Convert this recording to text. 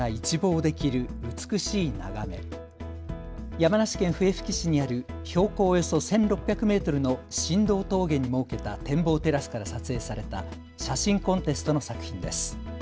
山梨県笛吹市にある標高およそ１６００メートルの新道峠に設けた展望テラスから撮影された写真コンテストの作品です。